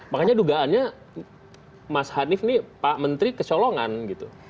makanya dugaannya mas hanif ini pak menteri kecolongan gitu